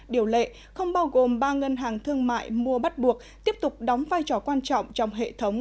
điều lệ không bao gồm ba ngân hàng thương mại mua bắt buộc tiếp tục đóng vai trò quan trọng trong hệ thống